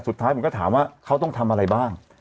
สุดท้ายผมก็ถามว่าเขาต้องทำอะไรบ้าง